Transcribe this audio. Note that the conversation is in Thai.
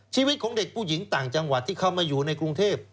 ชีวิตของเด็กผู้หญิงต่างจังหวัดที่เข้ามาอยู่ในกรุงเทพ